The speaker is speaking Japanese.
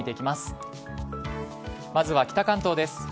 まずは北関東です。